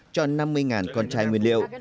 cho năm mươi con chai nguyên liệu